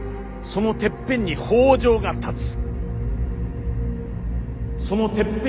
そのてっぺんに北条が立つ。